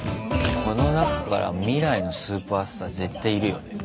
この中から未来のスーパースター絶対いるよね。